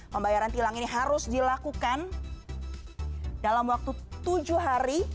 pembayaran tilang ini harus dilakukan dalam waktu tujuh hari